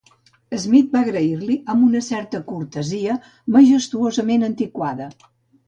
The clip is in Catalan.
Smith va agrair-li amb una certa cortesia majestuosament antiquada.